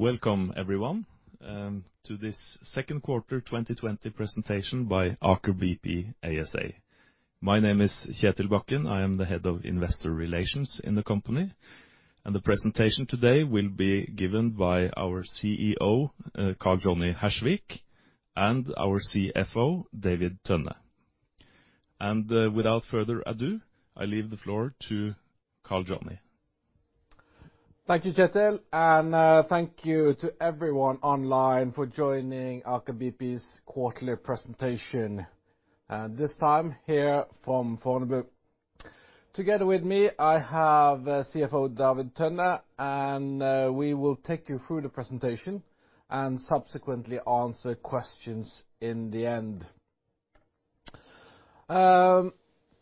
Welcome, everyone, to this second quarter 2020 presentation by Aker BP ASA. My name is Kjetil Bakken. I am the Head of Investor Relations in the company, and the presentation today will be given by our CEO, Karl Johnny Hersvik, and our CFO, David Tønne. Without further ado, I leave the floor to Karl Johnny. Thank you, Kjetil, and thank you to everyone online for joining Aker BP's quarterly presentation, this time here from Fornebu. Together with me, I have CFO David Tønne, we will take you through the presentation and subsequently answer questions in the end.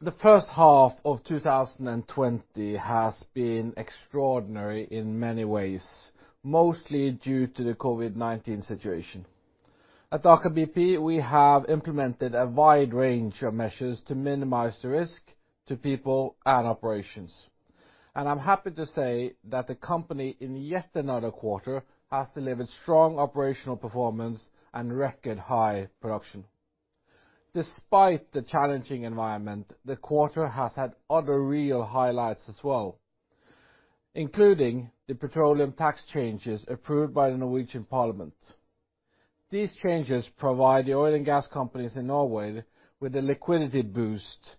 The first half of 2020 has been extraordinary in many ways, mostly due to the COVID-19 situation. At Aker BP, we have implemented a wide range of measures to minimize the risk to people and operations. I'm happy to say that the company, in yet another quarter, has delivered strong operational performance and record high production. Despite the challenging environment, the quarter has had other real highlights as well, including the petroleum tax changes approved by the Norwegian Parliament. These changes provide the oil and gas companies in Norway with a liquidity boost,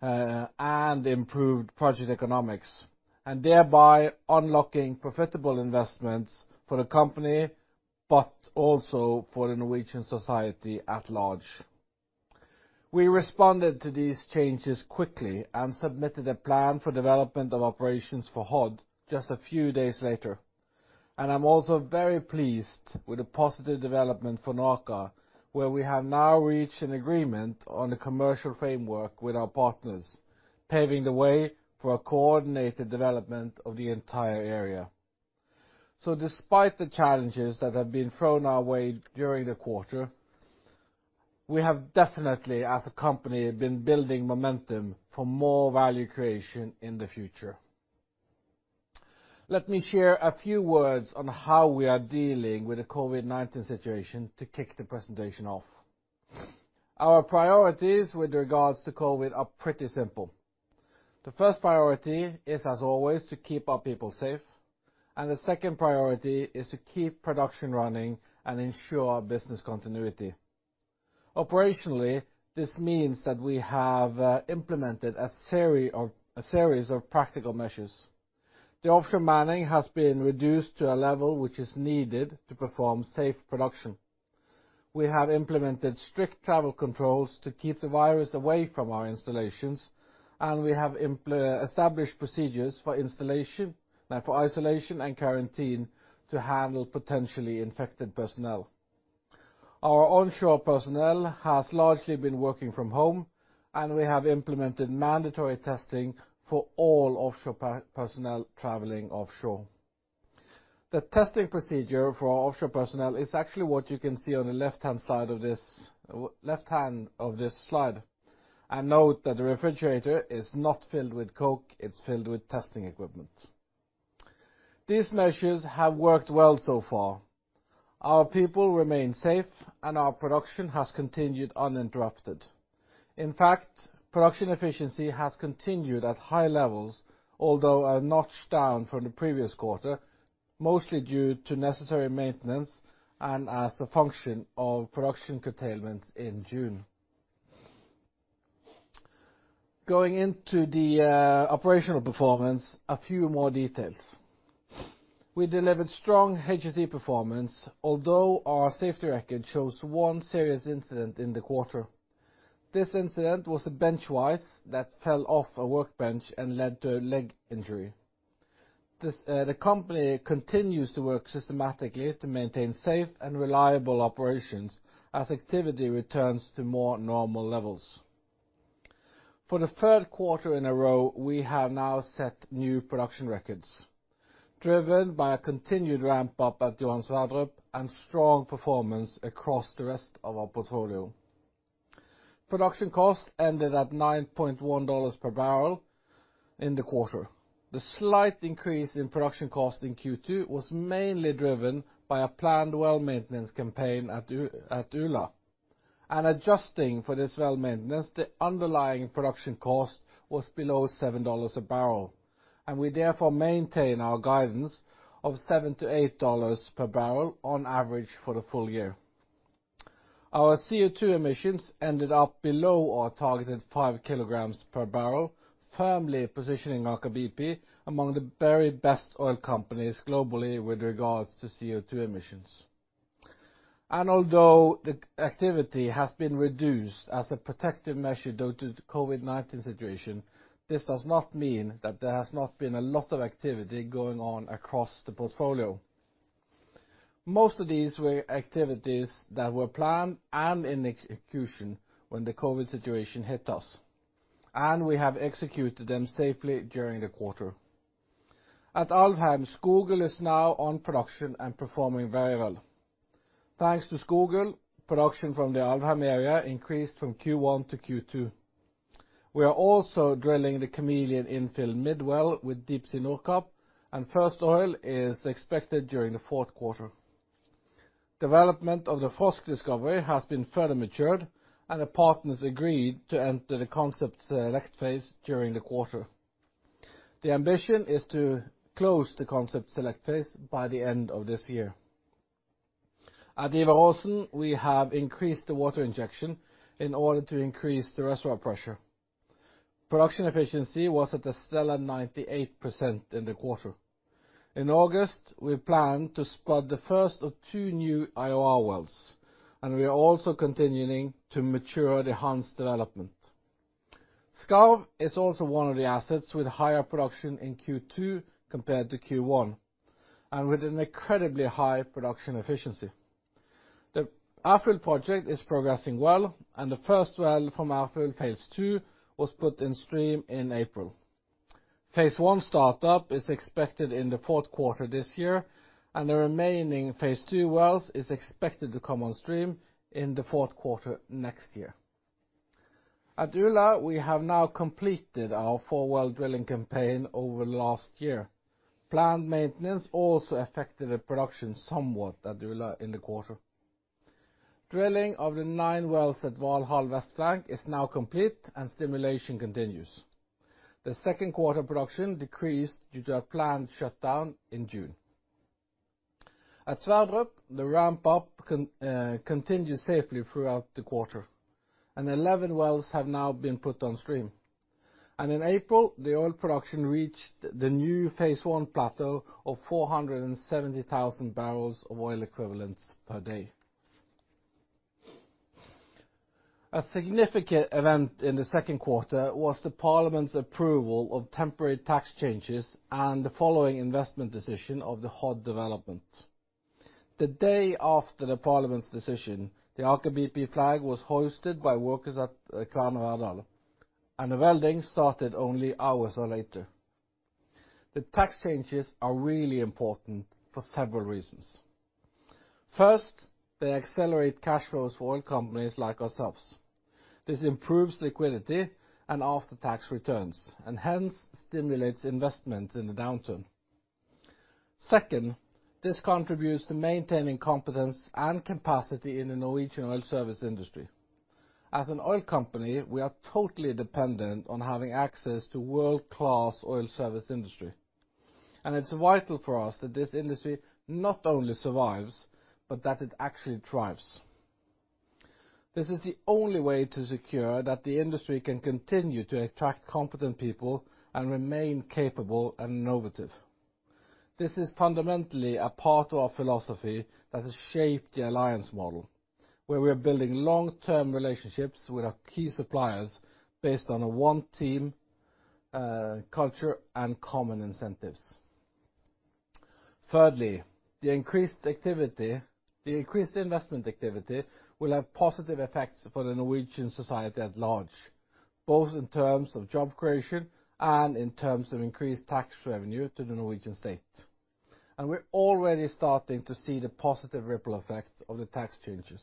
and improved project economics, and thereby unlocking profitable investments for the company, but also for the Norwegian society at large. We responded to these changes quickly and submitted a plan for development of operations for Hod just a few days later. I'm also very pleased with the positive development for NOAKA, where we have now reached an agreement on the commercial framework with our partners, paving the way for a coordinated development of the entire area. Despite the challenges that have been thrown our way during the quarter, we have definitely, as a company, been building momentum for more value creation in the future. Let me share a few words on how we are dealing with the COVID-19 situation to kick the presentation off. Our priorities with regards to COVID are pretty simple. The first priority is, as always, to keep our people safe, and the second priority is to keep production running and ensure business continuity. Operationally, this means that we have implemented a series of practical measures. The offshore manning has been reduced to a level which is needed to perform safe production. We have implemented strict travel controls to keep the virus away from our installations, and we have established procedures for isolation and quarantine to handle potentially infected personnel. Our onshore personnel has largely been working from home, and we have implemented mandatory testing for all offshore personnel traveling offshore. The testing procedure for our offshore personnel is actually what you can see on the left hand of this slide. Note that the refrigerator is not filled with Coke, it's filled with testing equipment. These measures have worked well so far. Our people remain safe, and our production has continued uninterrupted. In fact, production efficiency has continued at high levels, although a notch down from the previous quarter, mostly due to necessary maintenance and as a function of production curtailment in June. Going into the operational performance, a few more details. We delivered strong HSE performance, although our safety record shows one serious incident in the quarter. This incident was a bench vise that fell off a workbench and led to a leg injury. The company continues to work systematically to maintain safe and reliable operations as activity returns to more normal levels. For the third quarter in a row, we have now set new production records, driven by a continued ramp-up at Johan Sverdrup and strong performance across the rest of our portfolio. Production cost ended at $9.1 per barrel in the quarter. The slight increase in production cost in Q2 was mainly driven by a planned well maintenance campaign at Ula. Adjusting for this well maintenance, the underlying production cost was below $7 a barrel. We therefore maintain our guidance of $7-$8 per barrel on average for the full year. Our CO2 emissions ended up below our targeted five kilograms per barrel, firmly positioning Aker BP among the very best oil companies globally with regards to CO2 emissions. Although the activity has been reduced as a protective measure due to the COVID-19 situation, this does not mean that there has not been a lot of activity going on across the portfolio. Most of these were activities that were planned and in execution when the COVID situation hit us, and we have executed them safely during the quarter. At Alvheim, Skogul is now on production and performing very well. Thanks to Skogul, production from the Alvheim area increased from Q1 to Q2. We are also drilling the Gemini infill mid well with Deepsea Nordkapp, and first oil is expected during the fourth quarter. Development of the Frost discovery has been further matured, and the partners agreed to enter the concept select phase during the quarter. The ambition is to close the concept select phase by the end of this year. At Ivar Aasen, we have increased the water injection in order to increase the reservoir pressure. Production efficiency was at a stellar 98% in the quarter. In August, we plan to spud the first of two new IOR wells, and we are also continuing to mature the Hanz development. Skarv is also one of the assets with higher production in Q2 compared to Q1, and with an incredibly high production efficiency. The Ærfugl project is progressing well, and the first well from Ærfugl Phase 2 was put in stream in April. Phase 1 startup is expected in the fourth quarter this year, and the remaining Phase 2 wells is expected to come on stream in the fourth quarter next year. At Ula, we have now completed our four-well drilling campaign over last year. Planned maintenance also affected the production somewhat at Ula in the quarter. Drilling of the nine wells at Valhall West Flank is now complete and stimulation continues. The second quarter production decreased due to a planned shutdown in June. At Sverdrup, the ramp-up continued safely throughout the quarter, and 11 wells have now been put on stream. In April, the oil production reached the new Phase 1 plateau of 470,000 barrels of oil equivalents per day. A significant event in the second quarter was the Parliament's approval of temporary tax changes and the following investment decision of the Hod development. The day after the Parliament's decision, the Aker BP flag was hoisted by workers at Kværner Verdal, and the welding started only hours later. The tax changes are really important for several reasons. First, they accelerate cash flows for oil companies like ourselves. This improves liquidity and after-tax returns, and hence stimulates investment in the downturn. Second, this contributes to maintaining competence and capacity in the Norwegian oil service industry. As an oil company, we are totally dependent on having access to world-class oil service industry, and it's vital for us that this industry not only survives, but that it actually thrives. This is the only way to secure that the industry can continue to attract competent people and remain capable and innovative. This is fundamentally a part of our philosophy that has shaped the alliance model, where we are building long-term relationships with our key suppliers based on a one-team culture and common incentives. Thirdly, the increased investment activity will have positive effects for the Norwegian society at large, both in terms of job creation and in terms of increased tax revenue to the Norwegian state. We're already starting to see the positive ripple effects of the tax changes.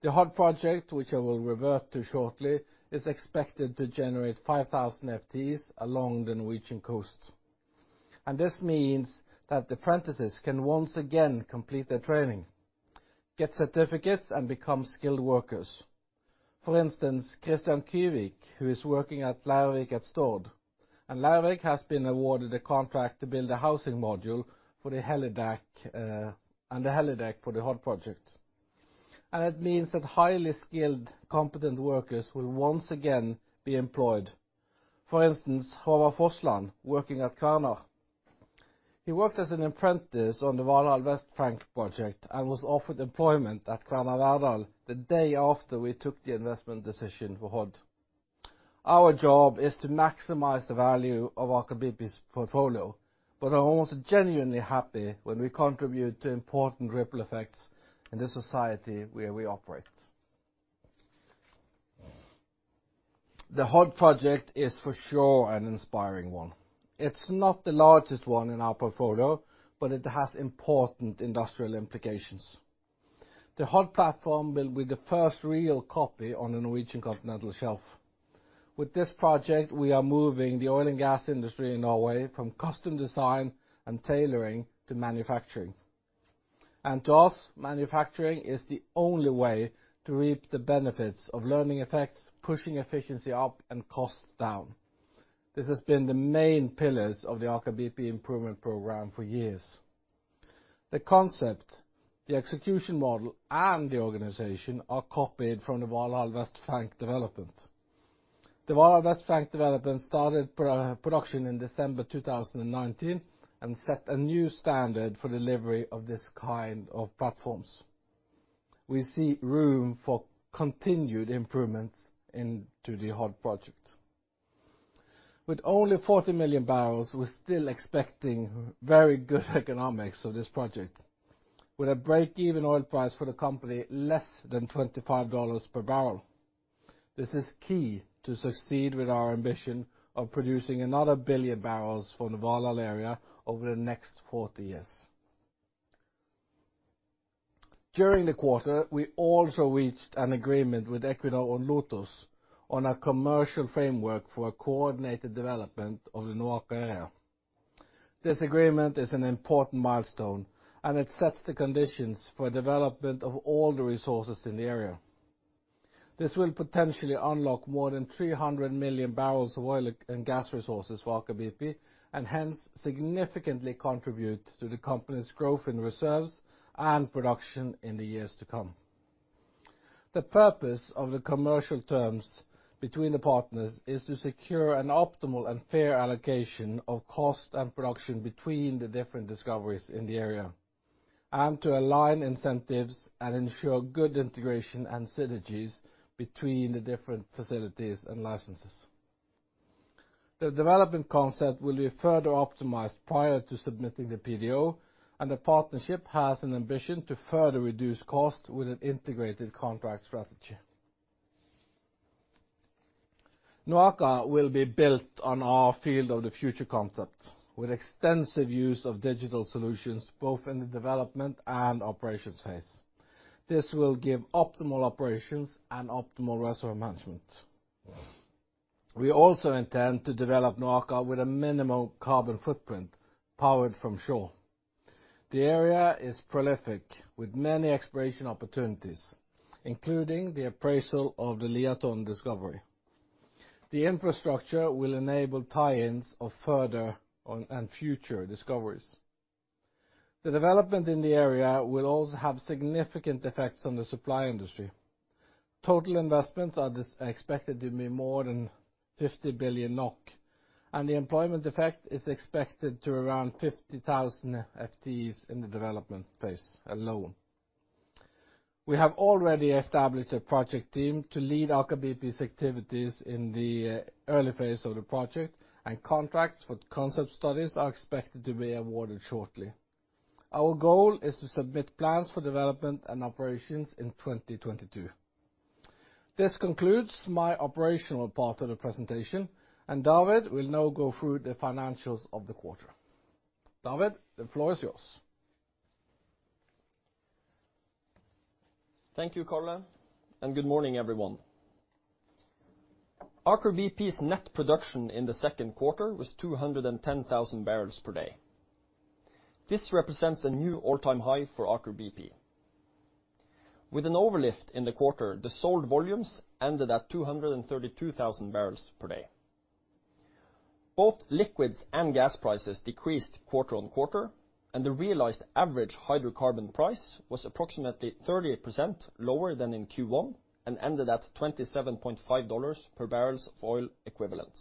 The Hod project, which I will revert to shortly, is expected to generate 5,000 FTEs along the Norwegian coast. This means that the apprentices can once again complete their training, get certificates, and become skilled workers. For instance, Kristian Kyvik, who is working at Aibel at Stord, and Aibel has been awarded a contract to build a housing module for the helideck for the Hod project. It means that highly skilled, competent workers will once again be employed. For instance, Håvard Forsland, working at Kværner. He worked as an apprentice on the Valhall West Flank project and was offered employment at Kværner Verdal the day after we took the investment decision for Hod. Our job is to maximize the value of Aker BP's portfolio, but are also genuinely happy when we contribute to important ripple effects in the society where we operate. The Hod project is for sure an inspiring one. It's not the largest one in our portfolio, but it has important industrial implications. The Hod platform will be the first real copy on the Norwegian continental shelf. With this project, we are moving the oil and gas industry in Norway from custom design and tailoring to manufacturing. To us, manufacturing is the only way to reap the benefits of learning effects, pushing efficiency up, and costs down. This has been the main pillars of the [Aker BP] improvement program for years. The concept, the execution model, and the organization are copied from the Valhall West Flank development. The Valhall West Flank development started production in December 2019 and set a new standard for delivery of this kind of platforms. We see room for continued improvements into the Hod project. With only 40 million barrels, we're still expecting very good economics of this project, with a break-even oil price for the company less than $25 per barrel. This is key to succeed with our ambition of producing another billion barrels from the Valhall area over the next 40 years. During the quarter, we also reached an agreement with Equinor and LOTOS on a commercial framework for a coordinated development of the NOAKA area. This agreement is an important milestone, and it sets the conditions for development of all the resources in the area. This will potentially unlock more than 300 million barrels of oil and gas resources for Aker BP, and hence significantly contribute to the company's growth in reserves and production in the years to come. The purpose of the commercial terms between the partners is to secure an optimal and fair allocation of cost and production between the different discoveries in the area, and to align incentives and ensure good integration and synergies between the different facilities and licenses. The development concept will be further optimized prior to submitting the PDO, and the partnership has an ambition to further reduce cost with an integrated contract strategy. NOAKA will be built on our field of the future concept with extensive use of digital solutions both in the development and operations phase. This will give optimal operations and optimal resource management. We also intend to develop NOAKA with a minimal carbon footprint, powered from shore. The area is prolific with many exploration opportunities, including the appraisal of the Liatårnet discovery. The infrastructure will enable tie-ins of further and future discoveries. The development in the area will also have significant effects on the supply industry. Total investments are expected to be more than 50 billion NOK, and the employment effect is expected to around 50,000 FTEs in the development phase alone. We have already established a project team to lead NOAKA Aker BP's activities in the early phase of the project, and contracts for concept studies are expected to be awarded shortly. Our goal is to submit plans for development and operations in 2022. This concludes my operational part of the presentation, and David will now go through the financials of the quarter. David, the floor is yours. Thank you, Karl. Good morning, everyone. Aker BP's net production in the second quarter was 210,000 barrels per day. This represents a new all-time high for Aker BP. With an overlift in the quarter, the sold volumes ended at 232,000 barrels per day. Both liquids and gas prices decreased quarter-on-quarter, and the realized average hydrocarbon price was approximately 38% lower than in Q1, and ended at $27.5 per barrels oil equivalent.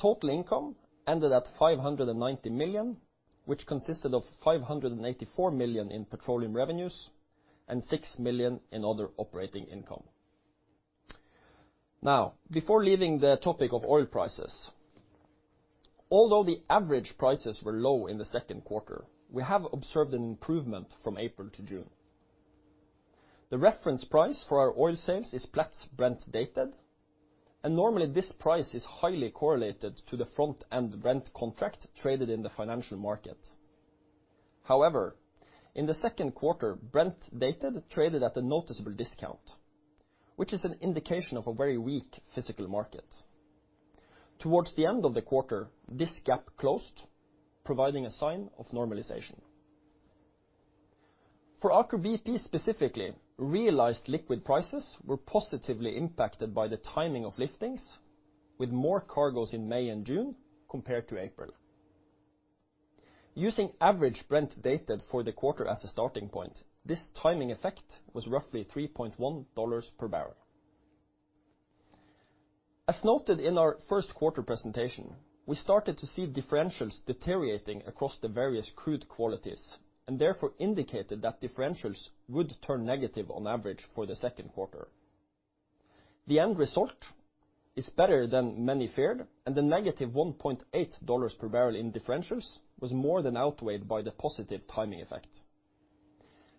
Total income ended at $590 million, which consisted of $584 million in petroleum revenues and $6 million in other operating income. Before leaving the topic of oil prices, although the average prices were low in the second quarter, we have observed an improvement from April to June. The reference price for our oil sales is Platts Dated Brent. Normally this price is highly correlated to the front-end Brent contract traded in the financial market. However, in the second quarter, Brent Dated traded at a noticeable discount, which is an indication of a very weak physical market. Towards the end of the quarter, this gap closed, providing a sign of normalization. For Aker BP specifically, realized liquid prices were positively impacted by the timing of liftings with more cargoes in May and June, compared to April. Using average Brent Dated for the quarter as a starting point, this timing effect was roughly $3.10 per barrel. As noted in our first quarter presentation, we started to see differentials deteriorating across the various crude qualities, and therefore indicated that differentials would turn negative on average for the second quarter. The end result is better than many feared, and the negative $1.80 per barrel in differentials was more than outweighed by the positive timing effect.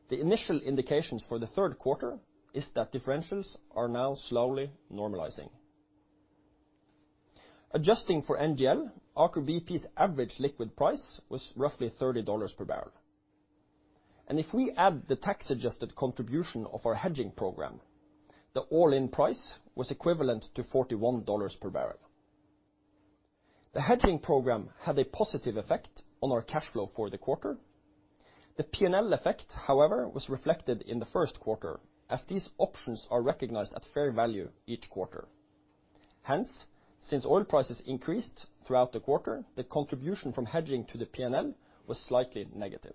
The initial indications for the third quarter is that differentials are now slowly normalizing. Adjusting for NGL, Aker BP's average liquid price was roughly $30 per barrel. If we add the tax-adjusted contribution of our hedging program, the all-in price was equivalent to $41 per barrel. The hedging program had a positive effect on our cash flow for the quarter. The P&L effect, however, was reflected in the first quarter as these options are recognized at fair value each quarter. Hence, since oil prices increased throughout the quarter, the contribution from hedging to the P&L was slightly negative.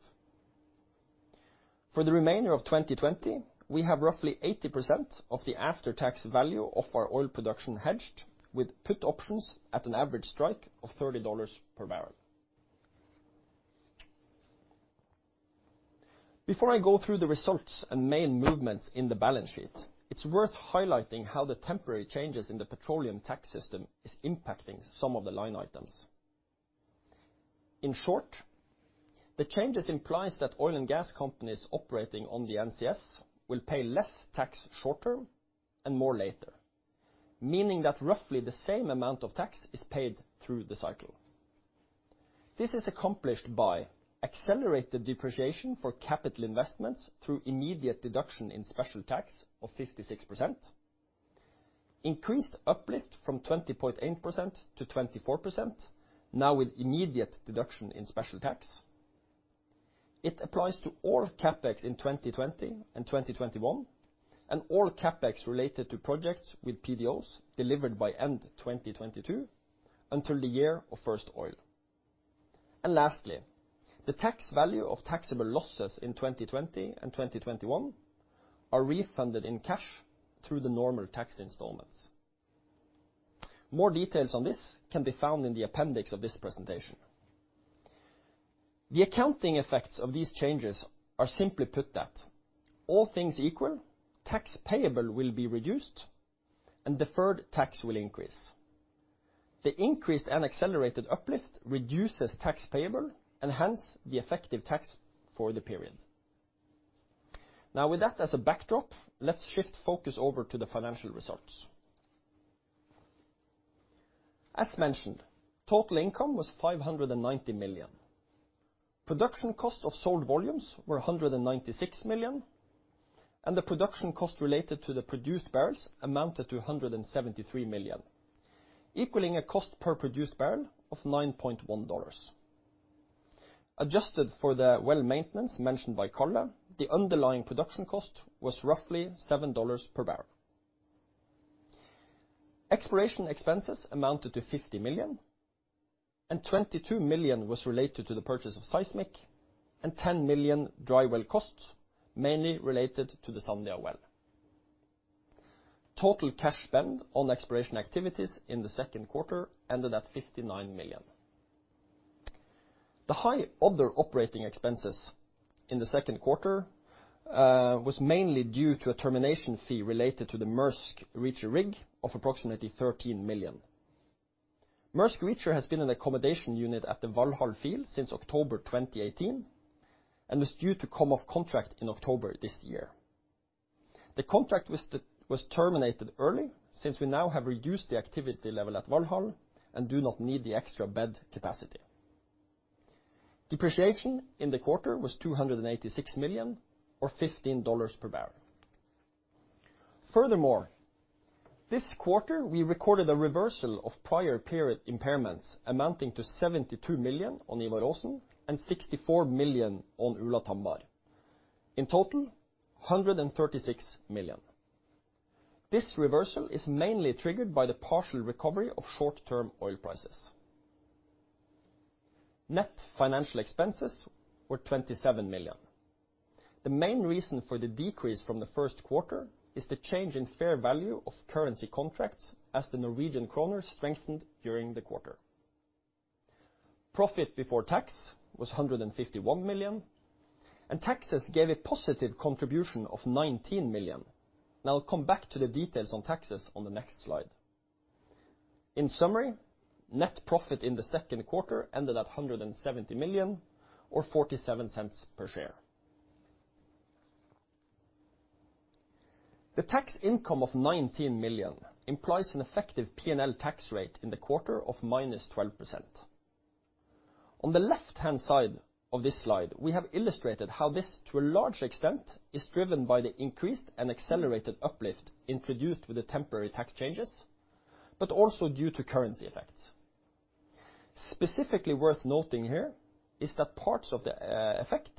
For the remainder of 2020, we have roughly 80% of the after-tax value of our oil production hedged with put options at an average strike of $30 per barrel. Before I go through the results and main movements in the balance sheet, it's worth highlighting how the temporary changes in the petroleum tax system is impacting some of the line items. In short, the changes implies that oil and gas companies operating on the NCS will pay less tax short-term and more later, meaning that roughly the same amount of tax is paid through the cycle. This is accomplished by accelerated depreciation for capital investments through immediate deduction in special tax of 56%, increased uplift from 20.8% to 24%, now with immediate deduction in special tax. It applies to all CapEx in 2020 and 2021, and all CapEx related to projects with PDOs delivered by end 2022 until the year of first oil. Lastly, the tax value of taxable losses in 2020 and 2021 are refunded in cash through the normal tax installments. More details on this can be found in the appendix of this presentation. The accounting effects of these changes are simply put that all things equal, tax payable will be reduced and deferred tax will increase. The increased and accelerated uplift reduces tax payable and hence the effective tax for the period. Now, with that as a backdrop, let's shift focus over to the financial results. As mentioned, total income was $590 million. Production cost of sold volumes were $196 million, and the production cost related to the produced barrels amounted to $173 million, equaling a cost per produced barrel of $9.10. Adjusted for the well maintenance mentioned by Karl, the underlying production cost was roughly $7 per barrel. Exploration expenses amounted to $50 million and $22 million was related to the purchase of seismic and $10 million dry well costs mainly related to the Sandnes well. Total cash spend on exploration activities in the second quarter ended at $59 million. The high other operating expenses in the second quarter was mainly due to a termination fee related to the Maersk Reacher rig of approximately $13 million. Maersk Reacher has been an accommodation unit at the Valhall field since October 2018 and was due to come off contract in October this year. The contract was terminated early since we now have reduced the activity level at Valhall and do not need the extra bed capacity. Depreciation in the quarter was $286 million or $15 per barrel. Furthermore, this quarter we recorded a reversal of prior period impairments amounting to $72 million on Ivar Aasen and $64 million on Ula Tambar. In total, $136 million. This reversal is mainly triggered by the partial recovery of short-term oil prices. Net financial expenses were $27 million. The main reason for the decrease from the first quarter is the change in fair value of currency contracts as the Norwegian kroner strengthened during the quarter. Profit before tax was $151 million and taxes gave a positive contribution of $19 million. I'll come back to the details on taxes on the next slide. In summary, net profit in the second quarter ended at $170 million or $0.47 per share. The tax income of $19 million implies an effective P&L tax rate in the quarter of -12%. On the left-hand side of this slide, we have illustrated how this, to a large extent, is driven by the increased and accelerated uplift introduced with the temporary tax changes, but also due to currency effects. Specifically worth noting here is that parts of the effect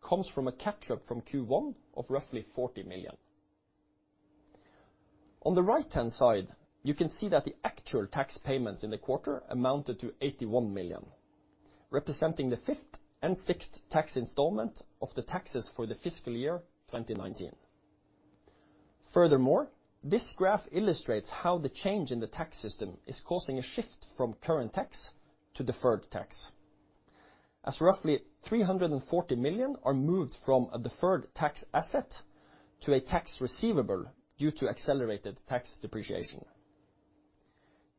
comes from a catch-up from Q1 of roughly $40 million. On the right-hand side, you can see that the actual tax payments in the quarter amounted to $81 million, representing the fifth and sixth tax installment of the taxes for the fiscal year 2019. This graph illustrates how the change in the tax system is causing a shift from current tax to deferred tax. As roughly $340 million are moved from a deferred tax asset to a tax receivable due to accelerated tax depreciation.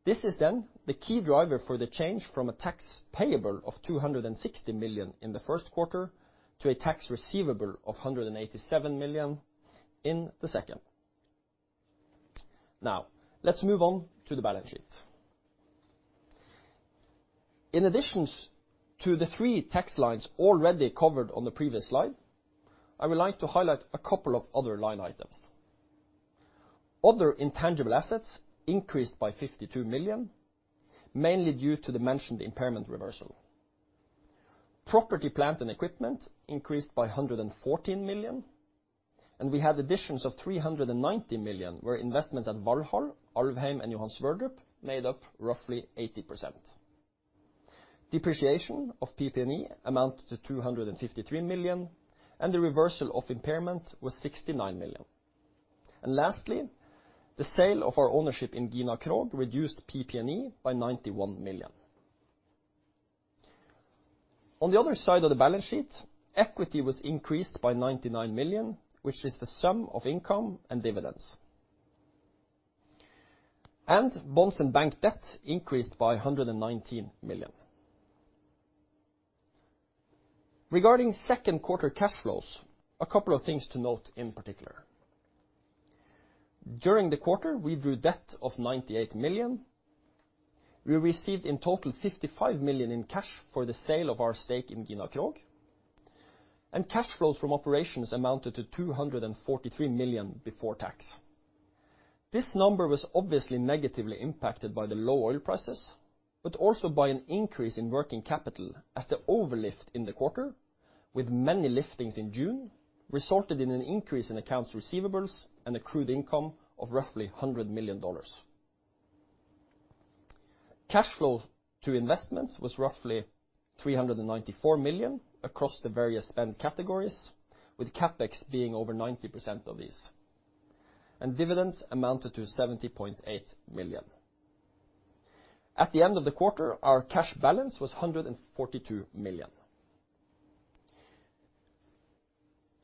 This is then the key driver for the change from a tax payable of $260 million in the first quarter to a tax receivable of $187 million in the second. Let's move on to the balance sheet. In addition to the three tax lines already covered on the previous slide, I would like to highlight a couple of other line items. Other intangible assets increased by $52 million, mainly due to the mentioned impairment reversal. Property, plant, and equipment increased by $114 million, and we had additions of $390 million, where investments at Valhall, Alvheim, and Johan Sverdrup made up roughly 80%. Depreciation of PP&E amounted to $253 million, and the reversal of impairment was $69 million. Lastly, the sale of our ownership in Gina Krog reduced PP&E by $91 million. On the other side of the balance sheet, equity was increased by $99 million, which is the sum of income and dividends. Bonds and bank debt increased by $119 million. Regarding second quarter cash flows, a couple of things to note in particular. During the quarter, we drew debt of $98 million. We received in total $55 million in cash for the sale of our stake in Gina Krog, and cash flows from operations amounted to $243 million before tax. This number was obviously negatively impacted by the low oil prices, but also by an increase in working capital as the overlift in the quarter with many liftings in June resulted in an increase in accounts receivables and accrued income of roughly $100 million. Cash flow to investments was roughly $394 million across the various spend categories, with CapEx being over 90% of these, and dividends amounted to $70.8 million. At the end of the quarter, our cash balance was $142 million.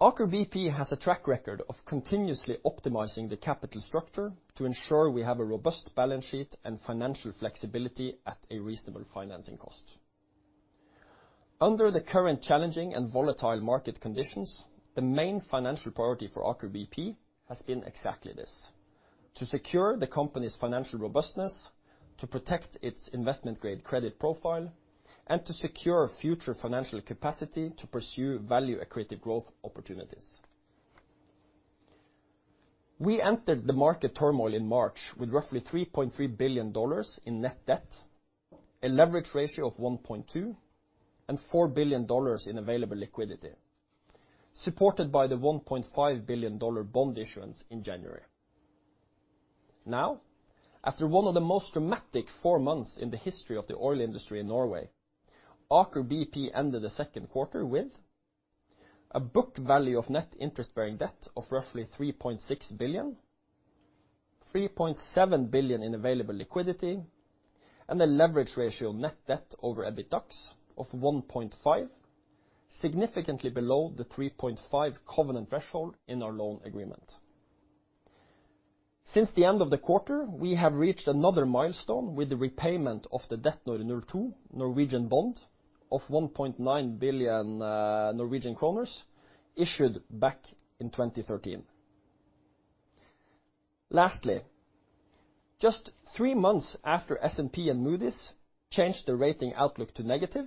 Aker BP has a track record of continuously optimizing the capital structure to ensure we have a robust balance sheet and financial flexibility at a reasonable financing cost. Under the current challenging and volatile market conditions, the main financial priority for Aker BP has been exactly this, to secure the company's financial robustness, to protect its investment-grade credit profile, and to secure future financial capacity to pursue value-accretive growth opportunities. We entered the market turmoil in March with roughly $3.3 billion in net debt, a leverage ratio of 1.2, and $4 billion in available liquidity, supported by the $1.5 billion bond issuance in January. After one of the most dramatic four months in the history of the oil industry in Norway, Aker BP ended the second quarter with a book value of net interest-bearing debt of roughly $3.6 billion, $3.7 billion in available liquidity, and a leverage ratio of net debt over EBITDA of 1.5, significantly below the 3.5 covenant threshold in our loan agreement. Since the end of the quarter, we have reached another milestone with the repayment of the Det Norske 02 Norwegian bond of 1.9 billion Norwegian kroner issued back in 2013. Lastly, just three months after S&P and Moody's changed their rating outlook to negative,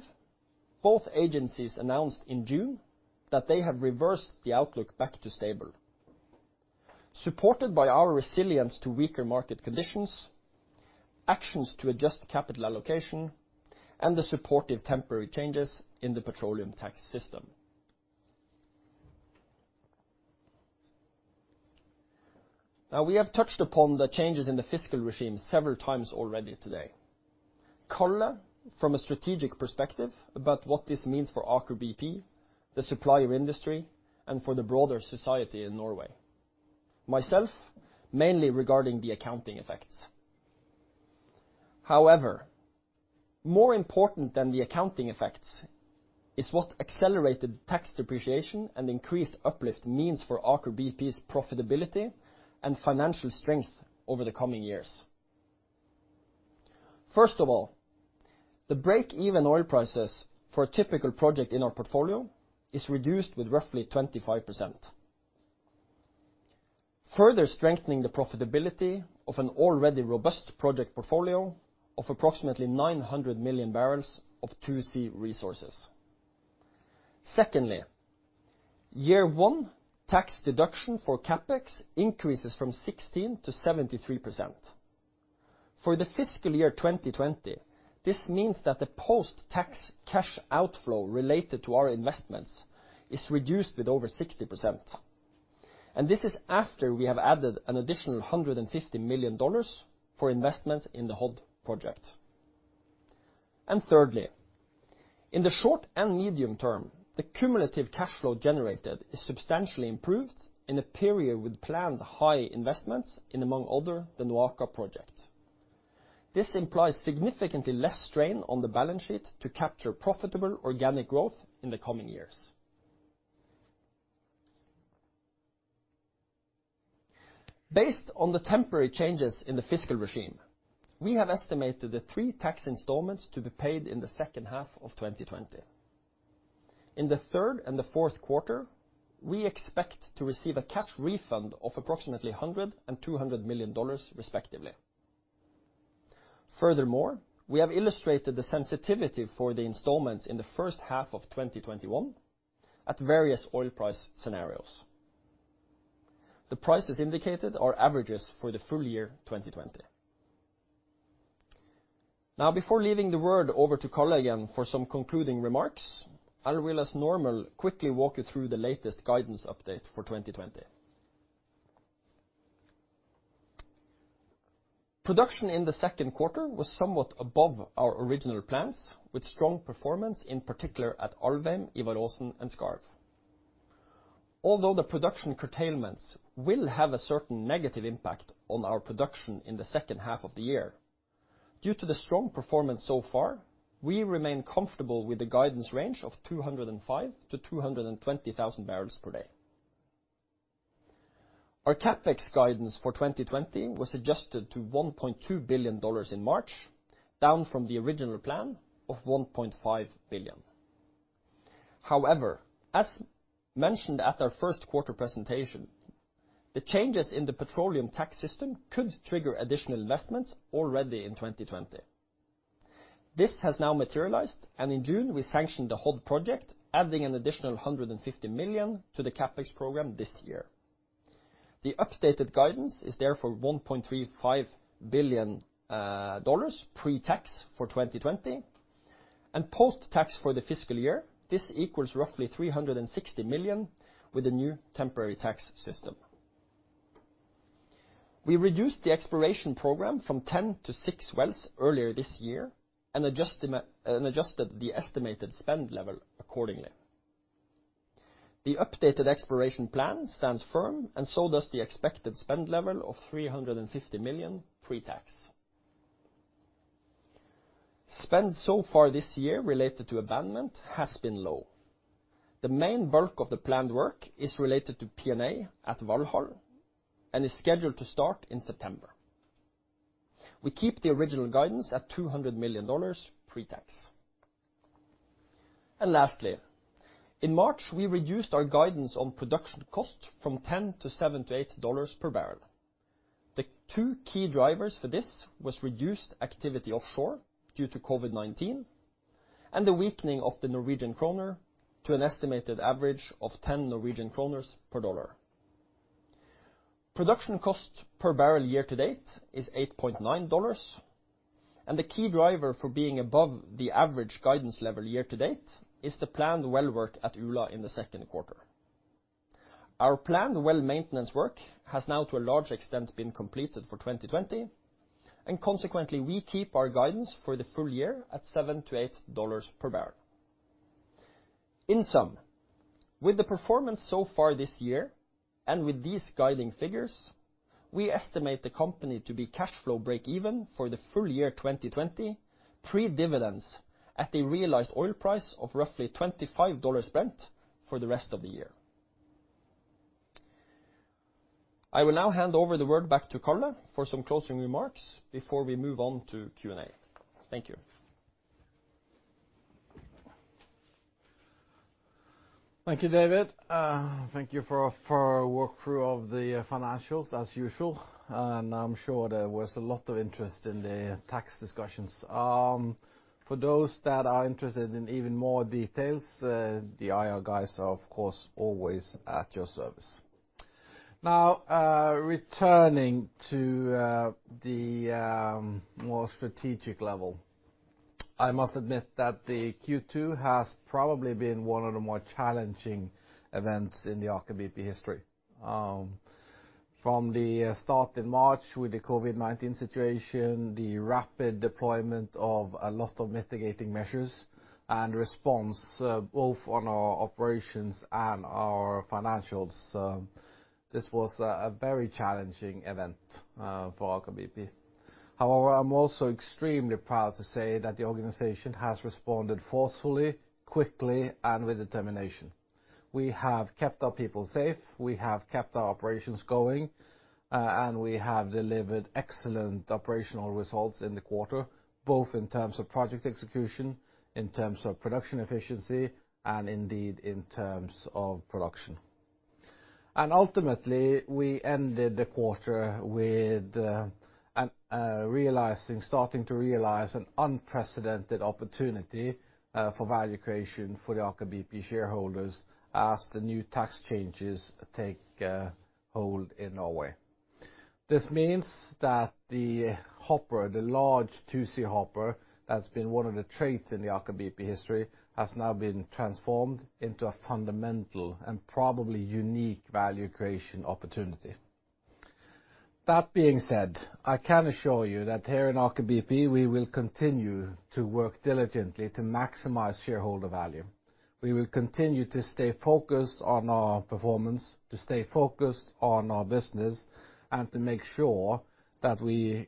both agencies announced in June that they have reversed the outlook back to stable, supported by our resilience to weaker market conditions, actions to adjust capital allocation, and the supportive temporary changes in the petroleum tax system. Now, we have touched upon the changes in the fiscal regime several times already today. Karl, from a strategic perspective about what this means for Aker BP, the supplier industry, and for the broader society in Norway. Myself, mainly regarding the accounting effects. However, more important than the accounting effects is what accelerated tax depreciation and increased uplift means for Aker BP's profitability and financial strength over the coming years. First of all, the break-even oil prices for a typical project in our portfolio is reduced with roughly 25%, further strengthening the profitability of an already robust project portfolio of approximately 900 million barrels of 2C resources. Secondly, year one tax deduction for CapEx increases from 16% to 73%. For the fiscal year 2020, this means that the post-tax cash outflow related to our investments is reduced with over 60%. This is after we have added an additional $150 million for investments in the Hod project. Thirdly, in the short and medium term, the cumulative cash flow generated is substantially improved in a period with planned high investments in, among other, the NOAKA project. This implies significantly less strain on the balance sheet to capture profitable organic growth in the coming years. Based on the temporary changes in the fiscal regime, we have estimated the three tax installments to be paid in the second half of 2020. In the third and the fourth quarter, we expect to receive a cash refund of approximately $100 and $200 million respectively. Furthermore, we have illustrated the sensitivity for the installments in the first half of 2021 at various oil price scenarios. The prices indicated are averages for the full year 2020. Now, before leaving the word over to Karl again for some concluding remarks, I will, as normal, quickly walk you through the latest guidance update for 2020. Production in the second quarter was somewhat above our original plans with strong performance, in particular at Alvheim, Ivar Aasen, and Skarv. Although the production curtailments will have a certain negative impact on our production in the second half of the year, due to the strong performance so far, we remain comfortable with the guidance range of 205,000 to 220,000 barrels per day. Our CapEx guidance for 2020 was adjusted to $1.2 billion in March, down from the original plan of $1.5 billion. However, as mentioned at our first quarter presentation, the changes in the petroleum tax system could trigger additional investments already in 2020. This has now materialized, and in June we sanctioned the Hod project, adding an additional $150 million to the CapEx program this year. The updated guidance is therefore $1.35 billion pre-tax for 2020, and post-tax for the fiscal year. This equals roughly $360 million with the new temporary tax system. We reduced the exploration program from 10 to six wells earlier this year and adjusted the estimated spend level accordingly. The updated exploration plan stands firm, and so does the expected spend level of $350 million pre-tax. Spend so far this year related to abandonment has been low. The main bulk of the planned work is related to P&A at Valhall and is scheduled to start in September. We keep the original guidance at $200 million pre-tax. Lastly, in March we reduced our guidance on production cost from 10 to seven to $8 per barrel. The two key drivers for this was reduced activity offshore due to COVID-19 and the weakening of the Norwegian kroner to an estimated average of 10 Norwegian kroner per USD. Production cost per barrel year to date is $8.90, and the key driver for being above the average guidance level year to date is the planned well work at Ula in the second quarter. Our planned well maintenance work has now to a large extent been completed for 2020, and consequently we keep our guidance for the full year at $7-$8 per barrel. In sum, with the performance so far this year and with these guiding figures, we estimate the company to be cash flow break even for the full year 2020, pre-dividends at a realized oil price of roughly $25 Brent for the rest of the year. I will now hand over the word back to Karl for some closing remarks before we move on to Q&A. Thank you. Thank you, David. Thank you for a walk through of the financials as usual, and I'm sure there was a lot of interest in the tax discussions. For those that are interested in even more details, the IOR guys are of course, always at your service. Now, returning to the more strategic level, I must admit that the Q2 has probably been one of the more challenging events in the Aker BP history. From the start in March with the COVID-19 situation, the rapid deployment of a lot of mitigating measures and response, both on our operations and our financials. This was a very challenging event for Aker BP. However, I'm also extremely proud to say that the organization has responded forcefully, quickly and with determination. We have kept our people safe, we have kept our operations going, we have delivered excellent operational results in the quarter, both in terms of project execution, in terms of production efficiency and indeed in terms of production. Ultimately, we ended the quarter with starting to realize an unprecedented opportunity for value creation for the Aker BP shareholders as the new tax changes take hold in Norway. This means that the hopper, the large 2C hopper that's been one of the traits in the Aker BP history, has now been transformed into a fundamental and probably unique value creation opportunity. That being said, I can assure you that here in Aker BP, we will continue to work diligently to maximize shareholder value. We will continue to stay focused on our performance, to stay focused on our business, and to make sure that we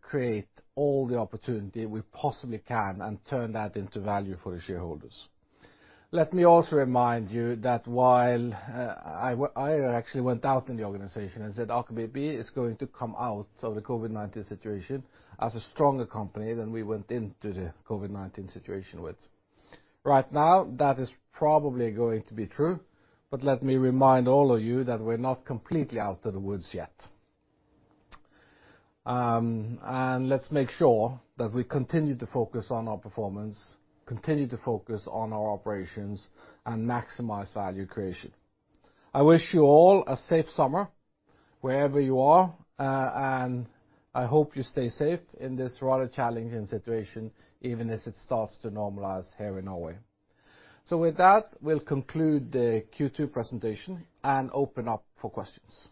create all the opportunity we possibly can and turn that into value for the shareholders. Let me also remind you that while I actually went out in the organization and said Aker BP is going to come out of the COVID-19 situation as a stronger company than we went into the COVID-19 situation with. Right now, that is probably going to be true. Let me remind all of you that we're not completely out of the woods yet. Let's make sure that we continue to focus on our performance, continue to focus on our operations, and maximize value creation. I wish you all a safe summer wherever you are, and I hope you stay safe in this rather challenging situation, even as it starts to normalize here in Norway. With that, we'll conclude the Q2 presentation and open up for questions.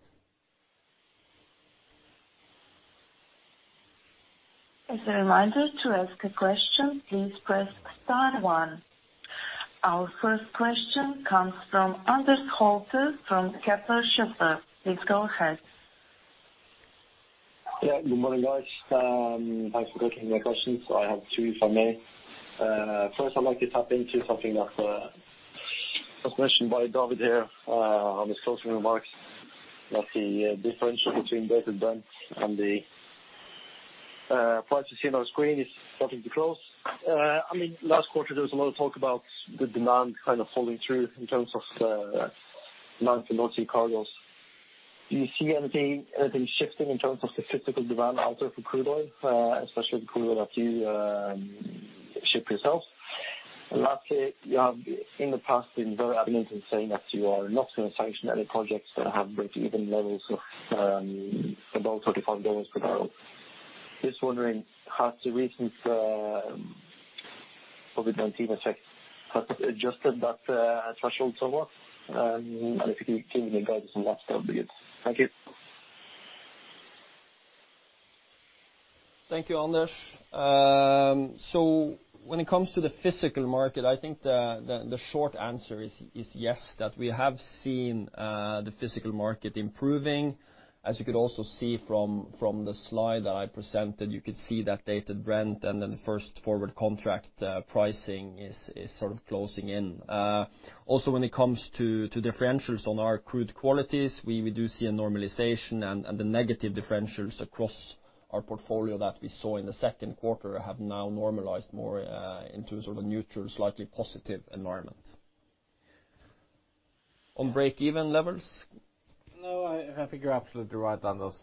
As a reminder to ask a question, please press star one. Our first question comes from Anders Holte from Kepler Cheuvreux. Please go ahead. Yeah. Good morning, guys. Thanks for taking my questions. I have two, if I may. First, I'd like to tap into something that was mentioned by David here on his closing remarks that the difference between Dated Brent and the price you see on our screen is starting to close. Last quarter, there was a lot of talk about the demand kind of falling through in terms of demand for North Sea cargoes. Do you see anything shifting in terms of the physical demand also for crude oil, especially the crude oil that you ship yourselves? Lastly, you have, in the past, been very adamant in saying that you are not going to sanction any projects that have breakeven levels of above $35 per barrel. Just wondering, has the recent COVID-19 effect adjusted that threshold somewhat? If you can give me a guidance on that would be good. Thank you. Thank you, Anders. When it comes to the physical market, I think the short answer is yes, that we have seen the physical market improving. As you could also see from the slide that I presented, you could see that Dated Brent and then the first forward contract pricing is sort of closing in. Also when it comes to differentials on our crude qualities, we do see a normalization and the negative differentials across our portfolio that we saw in the second quarter have now normalized more into sort of a neutral, slightly positive environment. On break-even levels? No, I think you're absolutely right, Anders.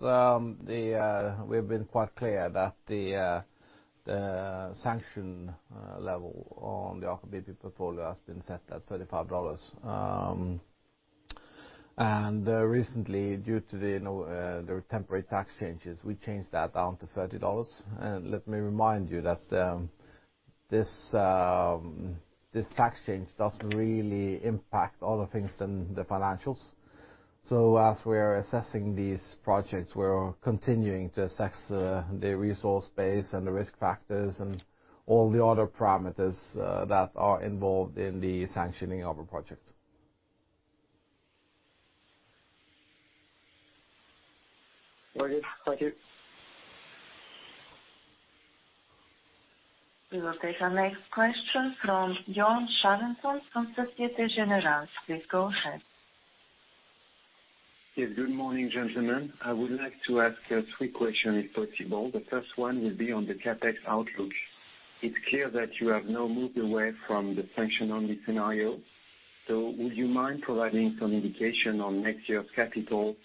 We've been quite clear that the sanction level on the Aker BP portfolio has been set at $35. Recently, due to the temporary tax changes, we changed that down to $30. Let me remind you that this tax change doesn't really impact other things than the financials. As we are assessing these projects, we're continuing to assess the resource base and the risk factors and all the other parameters that are involved in the sanctioning of a project. Very good. Thank you. We will take our next question from Johan Scharansson from Société Générale. Please go ahead. Yes, good morning, gentlemen. I would like to ask three questions if possible. The first one will be on the CapEx outlook. It's clear that you have now moved away from the sanction-only scenario. Would you mind providing some indication on next year's capital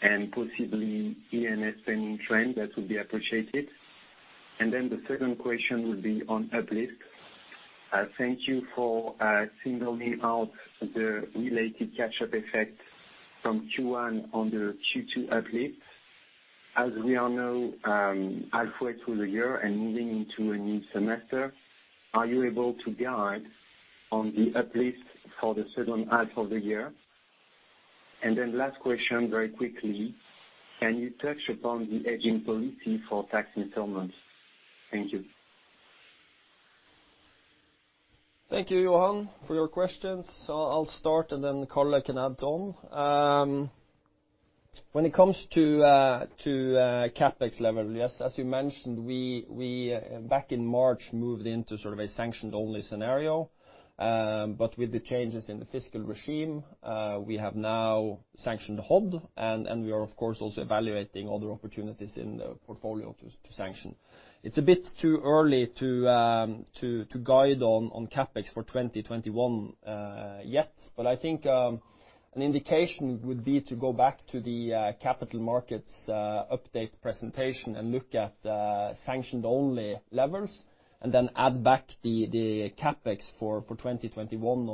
and possibly E&A spending trend? That would be appreciated. The second question would be on uplift. Thank you for singling out the related catch-up effect from Q1 on the Q2 uplift. As we are now halfway through the year and moving into a new semester, are you able to guide on the uplift for the second half of the year? Last question, very quickly, can you touch upon the hedging policy for tax installments? Thank you. Thank you, Johan, for your questions. I will start, and then Karl, can add on. When it comes to CapEx level, yes, as we mentioned, we back in March, moved into sort of a sanctioned-only scenario. With the changes in the fiscal regime, we have now sanctioned Hod, and we are of course, also evaluating other opportunities in the portfolio to sanction. It is a bit too early to guide on CapEx for 2021 yet, but I think an indication would be to go back to the capital markets update presentation and look at sanctioned-only levels and then add back the CapEx for 2021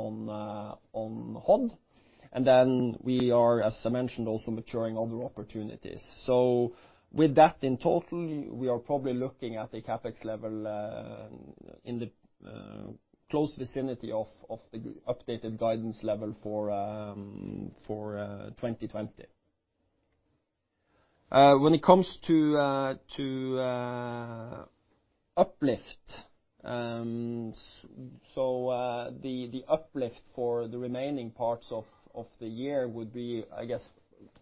on Hod. We are, as I mentioned, also maturing other opportunities. With that in total, we are probably looking at a CapEx level in the close vicinity of the updated guidance level for 2020. When it comes to uplift. The uplift for the remaining parts of the year would be, I guess,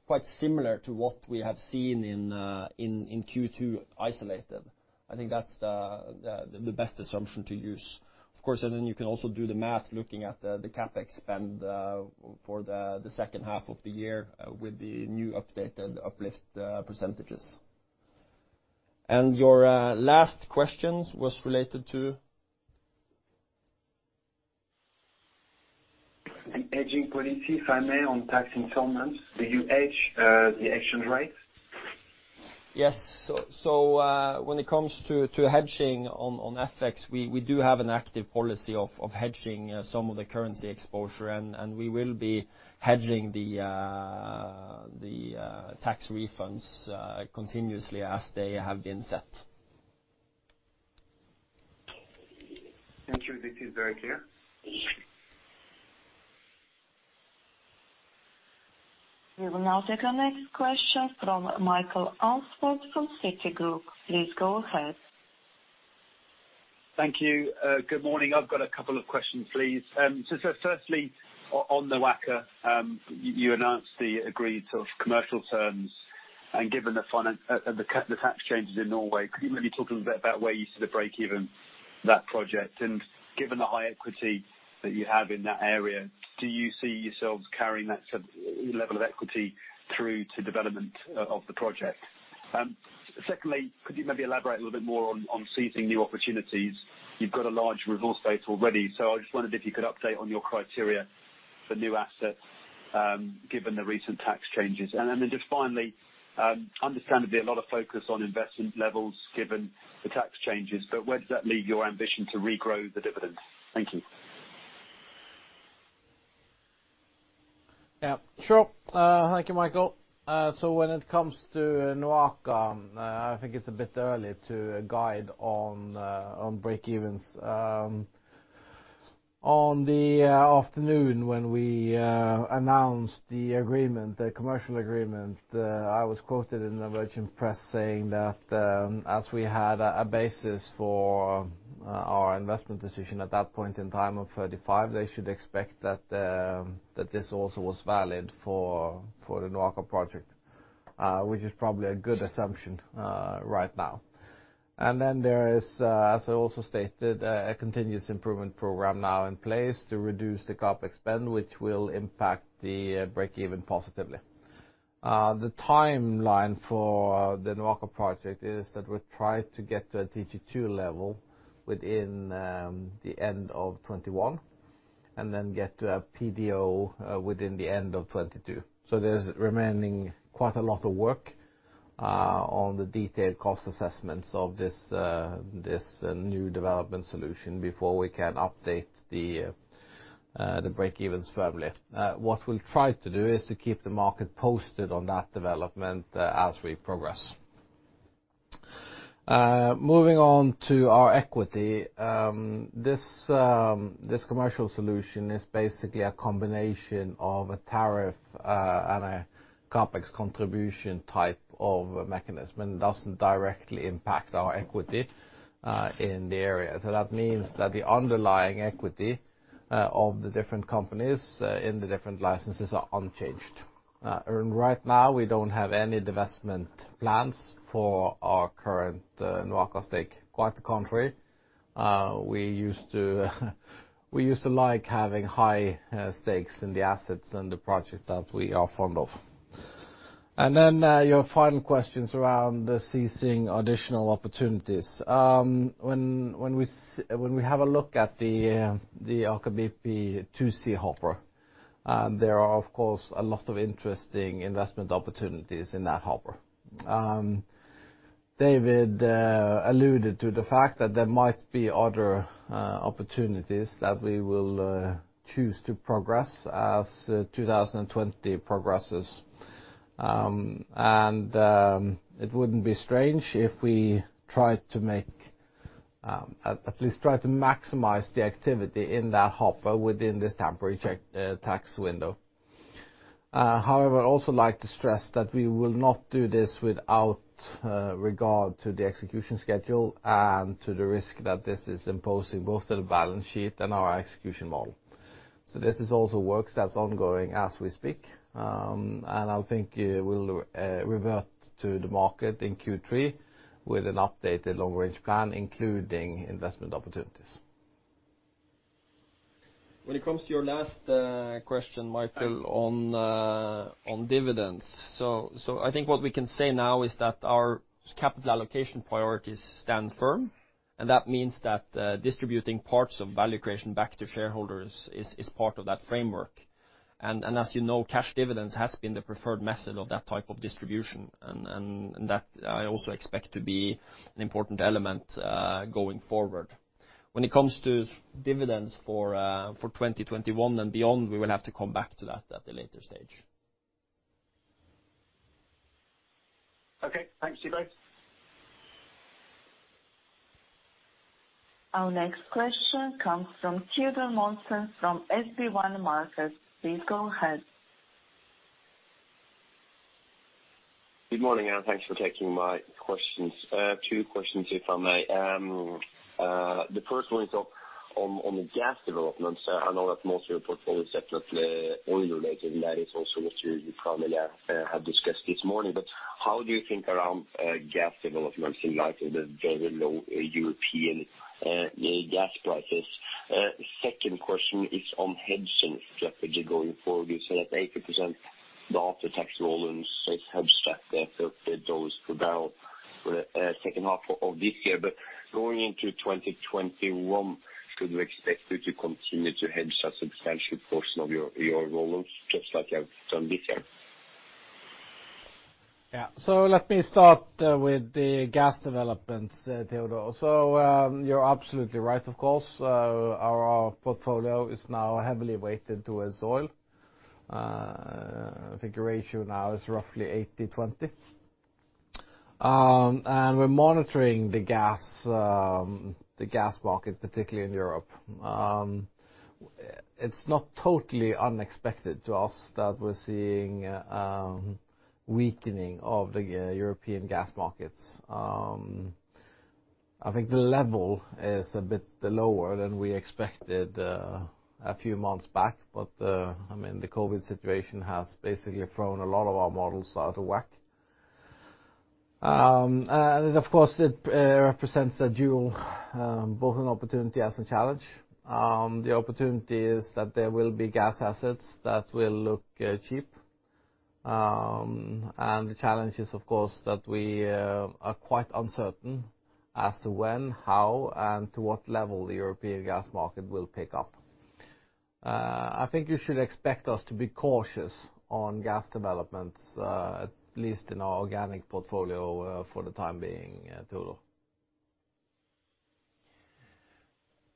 quite similar to what we have seen in Q2 isolated. I think that's the best assumption to use. Of course, then you can also do the math looking at the CapEx spend for the second half of the year with the new updated uplift percentages. Your last question was related to? The hedging policy, if I may, on tax installments. Do you hedge the exchange rate? Yes. When it comes to hedging on FX, we do have an active policy of hedging some of the currency exposure, and we will be hedging the tax refunds continuously as they have been set. Thank you. This is very clear. We will now take our next question from Michael Alsford from Citigroup. Please go ahead. Thank you. Good morning. I've got a couple of questions, please. Firstly, on the NOAKA, you announced the agreed commercial terms, and given the tax changes in Norway, could you maybe talk a little bit about where you see the break-even that project? Given the high equity that you have in that area, do you see yourselves carrying that level of equity through to development of the project? Secondly, could you maybe elaborate a little bit more on seizing new opportunities? You've got a large resource base already, I just wondered if you could update on your criteria for new assets, given the recent tax changes. Finally, understandably, a lot of focus on investment levels given the tax changes, where does that leave your ambition to regrow the dividend? Thank you. Yes, sure. Thank you, Michael. When it comes to NOAKA, I think it's a bit early to guide on break evens. On the afternoon when we announced the commercial agreement, I was quoted in the Norwegian press saying that as we had a basis for our investment decision at that point in time of $35, they should expect that this also was valid for the NOAKA project, which is probably a good assumption right now. There is, as I also stated, a continuous improvement program now in place to reduce the CapEx spend, which will impact the break even positively. The timeline for the NOAKA project is that we try to get to a DG2 level within the end of 2021 and then get to a PDO within the end of 2022. There's remaining quite a lot of work on the detailed cost assessments of this new development solution before we can update the break-evens firmly. What we'll try to do is to keep the market posted on that development as we progress. Moving on to our equity. This commercial solution is basically a combination of a tariff and a CapEx contribution type of mechanism, and it doesn't directly impact our equity in the area. That means that the underlying equity of the different companies in the different licenses are unchanged. Right now, we don't have any divestment plans for our current NOAKA stake. Quite the contrary, we used to like having high stakes in the assets and the projects that we are fond of. Your final questions around seizing additional opportunities. When we have a look at the NOAKA BP 2C hopper, there are, of course, a lot of interesting investment opportunities in that hopper. David alluded to the fact that there might be other opportunities that we will choose to progress as 2020 progresses. It wouldn't be strange if we at least try to maximize the activity in that hopper within this temporary tax window. However, I'd also like to stress that we will not do this without regard to the execution schedule and to the risk that this is imposing both to the balance sheet and our execution model. This is also work that's ongoing as we speak. I think we'll revert to the market in Q3 with an updated long-range plan, including investment opportunities. When it comes to your last question, Michael, on dividends. I think what we can say now is that our capital allocation priorities stand firm, and that means that distributing parts of value creation back to shareholders is part of that framework. As you know, cash dividends has been the preferred method of that type of distribution, and that I also expect to be an important element going forward. When it comes to dividends for 2021 and beyond, we will have to come back to that at a later stage. Okay. Thanks you guys. Our next question comes from Teodor Sveen-Nilsen from SB1 Markets. Please go ahead. Good morning, and thanks for taking my questions. two questions, if I may. The first one is on the gas developments. I know that most of your portfolio is separately oil-related, and that is also what you primarily have discussed this morning, but how do you think around gas developments in light of the very low European gas prices? second question is on hedging strategy going forward. You said that 80% of the after-tax volumes [helps track the] dollars per barrel for the second half of this year. Going into 2021, should we expect you to continue to hedge a substantial portion of your volumes just like you have done this year? Yeah. Let me start with the gas developments, Teodor. You're absolutely right, of course. Our portfolio is now heavily weighted towards oil. I think the ratio now is roughly 80/20. We're monitoring the gas market, particularly in Europe. It's not totally unexpected to us that we're seeing a weakening of the European gas markets. I think the level is a bit lower than we expected a few months back, the COVID-19 situation has basically thrown a lot of our models out of whack. Of course, it represents a dual, both an opportunity as a challenge. The opportunity is that there will be gas assets that will look cheap. The challenge is, of course, that we are quite uncertain as to when, how, and to what level the European gas market will pick up. I think you should expect us to be cautious on gas developments, at least in our organic portfolio for the time being, Teodor.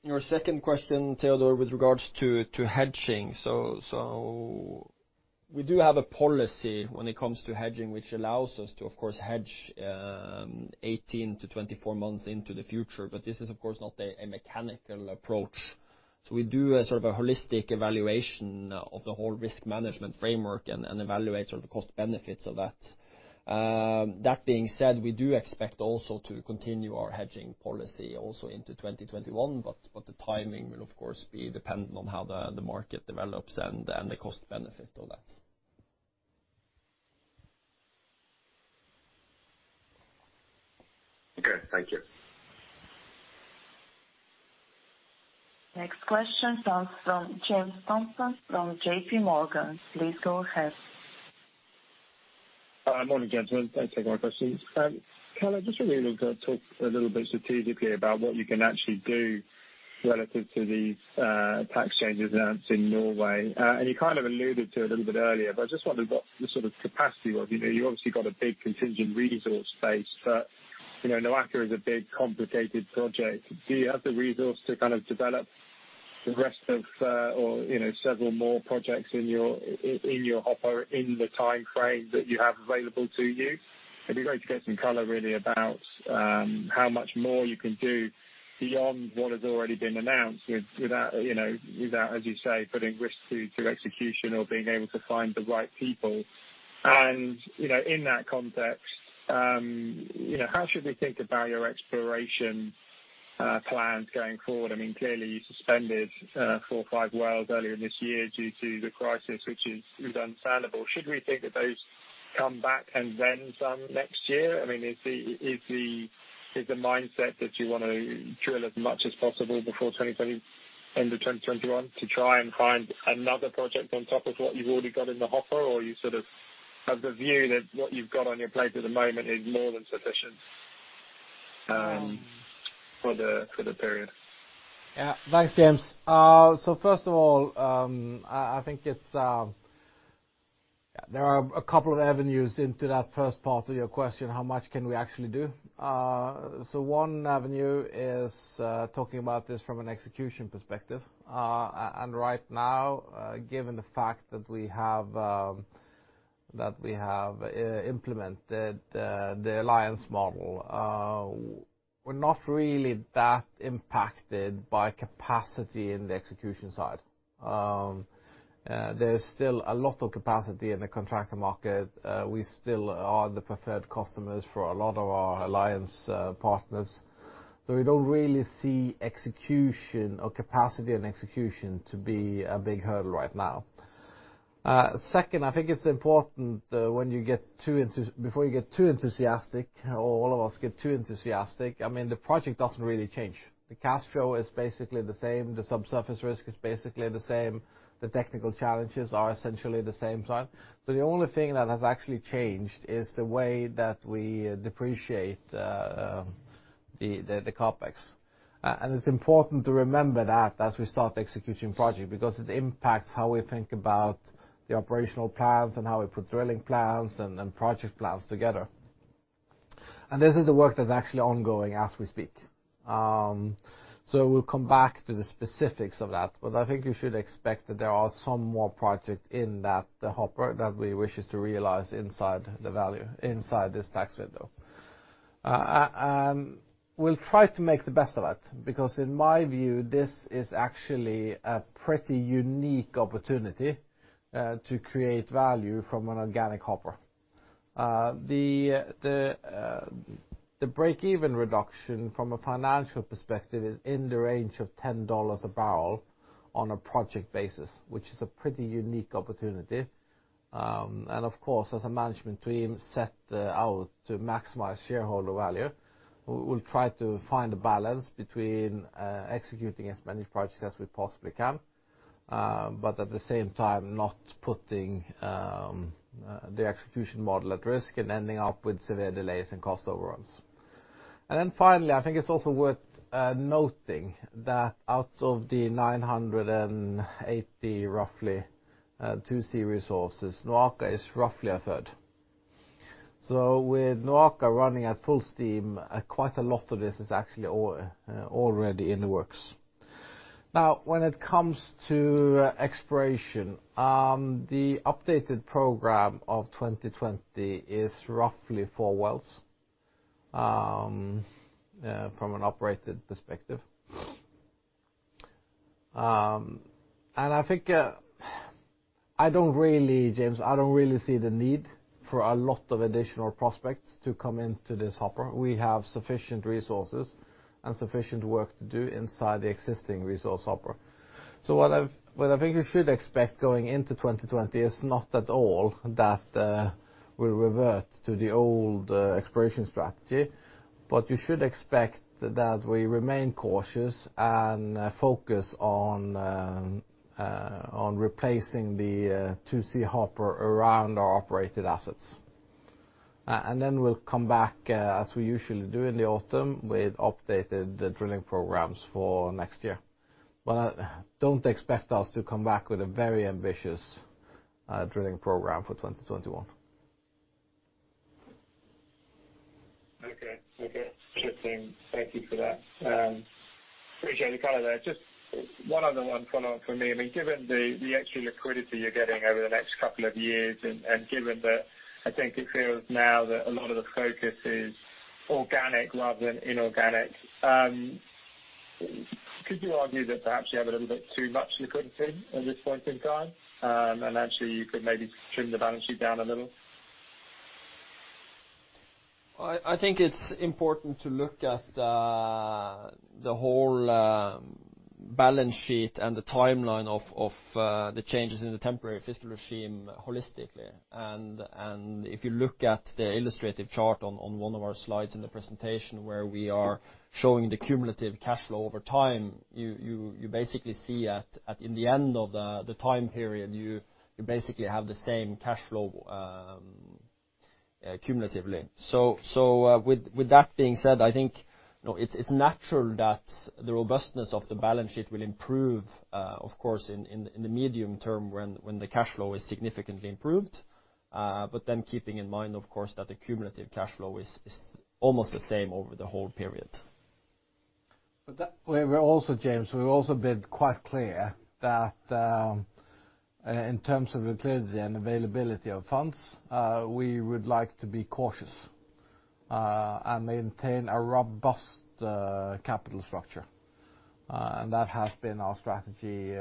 Your second question, Teodor, with regards to hedging. We do have a policy when it comes to hedging, which allows us to, of course, hedge 18-24 months into the future, but this is of course not a mechanical approach. We do a sort of a holistic evaluation of the whole risk management framework and evaluate the cost benefits of that. That being said, we do expect also to continue our hedging policy also into 2021, but the timing will, of course, be dependent on how the market develops and the cost benefit of that. Okay, thank you. Next question comes from James Thompson from J.P. Morgan. Please go ahead. Morning, gentlemen. Thanks for taking my questions. Karl, I just wonder if you could talk a little bit strategically about what you can actually do relative to these tax changes announced in Norway. You kind of alluded to it a little bit earlier. I just wondered what the sort of capacity was. You obviously got a big contingent resource base. NOAKA is a big, complicated project. Do you have the resource to kind of develop the rest of, or several more projects in your hopper in the time frame that you have available to you? It'd be great to get some color really about how much more you can do beyond what has already been announced without, as you say, putting risk to execution or being able to find the right people. In that context, how should we think about your exploration plans going forward? Clearly you suspended four or five wells earlier this year due to the crisis, which is understandable. Should we think that those come back and then some next year? Is the mindset that you want to drill as much as possible before end of 2021 to try and find another project on top of what you've already got in the hopper? You sort of have the view that what you've got on your plate at the moment is more than sufficient for the period? Thanks, James. First of all, I think there are a couple of avenues into that first part of your question, how much can we actually do? One avenue is talking about this from an execution perspective. Right now, given the fact that we have implemented the alliance model, we're not really that impacted by capacity in the execution side. There's still a lot of capacity in the contractor market. We still are the preferred customers for a lot of our alliance partners. We don't really see execution or capacity and execution to be a big hurdle right now. Second, I think it's important before you get too enthusiastic, or all of us get too enthusiastic, the project doesn't really change. The cash flow is basically the same, the subsurface risk is basically the same. The technical challenges are essentially the same. The only thing that has actually changed is the way that we depreciate the CapEx. It's important to remember that as we start executing projects because it impacts how we think about the operational plans and how we put drilling plans and project plans together. This is the work that's actually ongoing as we speak. We'll come back to the specifics of that. I think you should expect that there are some more projects in that hopper that we wishes to realize inside the value, inside this tax window. We'll try to make the best of it, because in my view, this is actually a pretty unique opportunity to create value from an organic hopper. The break-even reduction from a financial perspective is in the range of $10 a barrel on a project basis, which is a pretty unique opportunity. Of course, as a management team set out to maximize shareholder value, we'll try to find a balance between executing as many projects as we possibly can, but at the same time, not putting the execution model at risk and ending up with severe delays and cost overruns. Finally, I think it's also worth noting that out of the 980, roughly, 2C resources, NOAKA is roughly a third. With NOAKA running at full steam, quite a lot of this is actually already in the works. When it comes to exploration, the updated program of 2020 is roughly four wells from an operated perspective. I think I don't really, James, I don't really see the need for a lot of additional prospects to come into this hopper. We have sufficient resources and sufficient work to do inside the existing resource hopper. What I think you should expect going into 2020 is not at all that we'll revert to the old exploration strategy, but you should expect that we remain cautious and focus on replacing the 2C hopper around our operated assets. Then we'll come back, as we usually do in the autumn, with updated drilling programs for next year. Don't expect us to come back with a very ambitious drilling program for 2021. Okay. Shifting. Thank you for that. Appreciate the color there. Just one other one follow-up from me. Given the actual liquidity you're getting over the next couple of years, and given that I think it feels now that a lot of the focus is organic rather than inorganic, could you argue that perhaps you have a little bit too much liquidity at this point in time? Actually, you could maybe trim the balance sheet down a little? I think it's important to look at the whole balance sheet and the timeline of the changes in the temporary fiscal regime holistically. If you look at the illustrative chart on one of our slides in the presentation where we are showing the cumulative cash flow over time, you basically see at in the end of the time period, you basically have the same cash flow cumulatively. With that being said, I think it's natural that the robustness of the balance sheet will improve, of course, in the medium term when the cash flow is significantly improved. Keeping in mind, of course, that the cumulative cash flow is almost the same over the whole period. We're also, James, we've also been quite clear that in terms of liquidity and availability of funds, we would like to be cautious and maintain a robust capital structure. That has been our strategy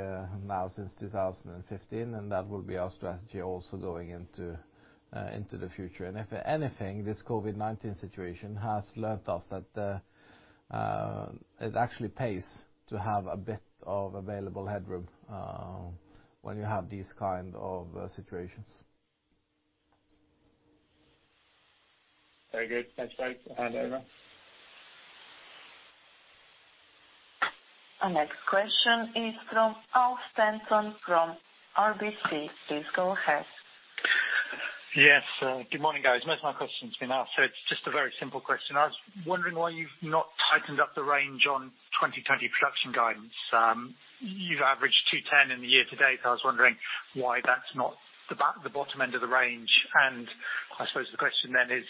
now since 2015, and that will be our strategy also going into the future. If anything, this COVID-19 situation has taught us that it actually pays to have a bit of available headroom when you have these kind of situations. Very good. Thanks, guys. Hand over. Our next question is from Al Stanton from RBC. Please go ahead. Yes. Good morning, guys. Most of my question's been asked, it's just a very simple question. I was wondering why you've not tightened up the range on 2020 production guidance. You've averaged 210 in the year to date. I was wondering why that's not the bottom end of the range. I suppose the question then is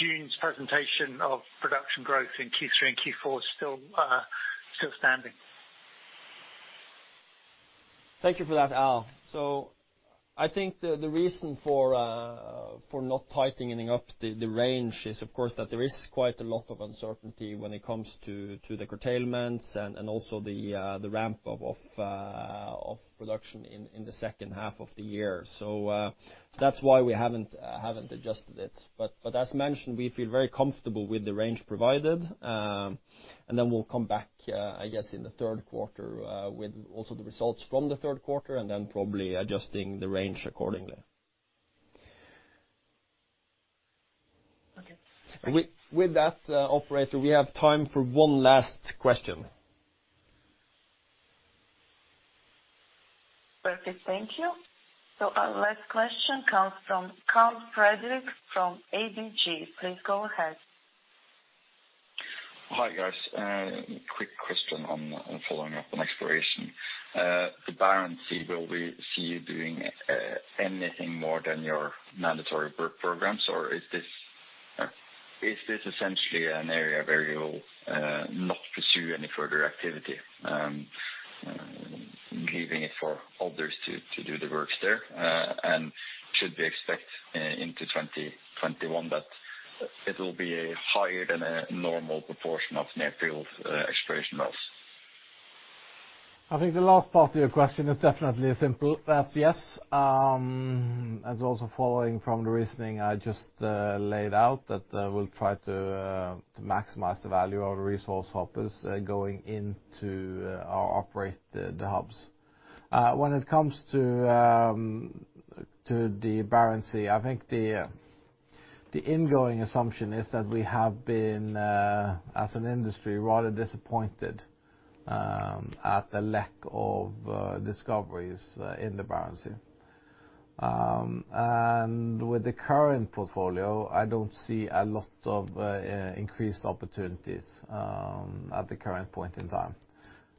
June's presentation of production growth in Q3 and Q4 still standing? Thank you for that, Al. I think the reason for not tightening up the range is, of course, that there is quite a lot of uncertainty when it comes to the curtailments and also the ramp-up of production in the second half of the year. That's why we haven't adjusted it. As mentioned, we feel very comfortable with the range provided. We'll come back, I guess, in the third quarter with also the results from the third quarter probably adjusting the range accordingly. Okay. With that, operator, we have time for one last question. Perfect. Thank you. Our last question comes from Karl Fredrik from ABG. Please go ahead. Hi, guys. Quick question on following up on exploration. The Barents Sea, will we see you doing anything more than your mandatory work programs, or is this essentially an area where you will not pursue any further activity, leaving it for others to do the works there? Should we expect into 2021 that it will be higher than a normal proportion of near-field exploration wells? I think the last part of your question is definitely simple. That's yes. As also following from the reasoning I just laid out, that we'll try to maximize the value of the resource hoppers going into our operate the hubs. When it comes to the Barents Sea, I think the ingoing assumption is that we have been, as an industry, rather disappointed at the lack of discoveries in the Barents Sea. With the current portfolio, I don't see a lot of increased opportunities at the current point in time.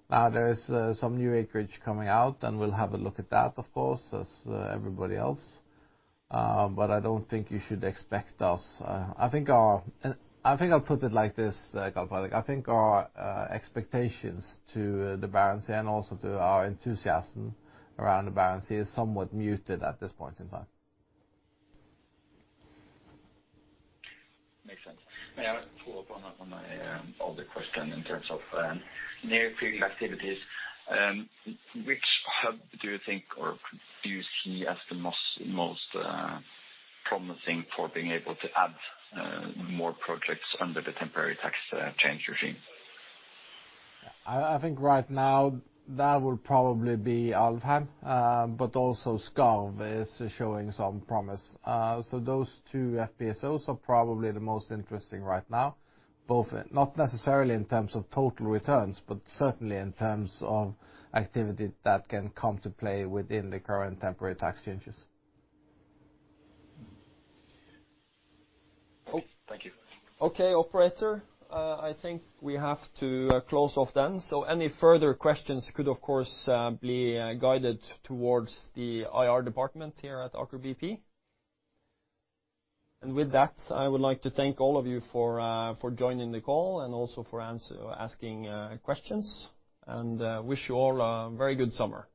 Now, there is some new acreage coming out, and we'll have a look at that, of course, as everybody else. I don't think you should expect us I think I'll put it like this, Karl Fredrik, I think our expectations to the Barents Sea and also to our enthusiasm around the Barents Sea is somewhat muted at this point in time. Makes sense. May I follow up on my other question in terms of near-field activities? Which hub do you think, or do you see as the most promising for being able to add more projects under the temporary tax change regime? I think right now that will probably be Alvheim, but also Skarv is showing some promise. Those two FPSOs are probably the most interesting right now, both not necessarily in terms of total returns, but certainly in terms of activity that can come to play within the current temporary tax changes. Okay. Thank you. Okay, operator, I think we have to close off then. Any further questions could, of course, be guided towards the IOR department here at Aker BP. With that, I would like to thank all of you for joining the call and also for asking questions, and wish you all a very good summer.